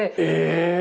え！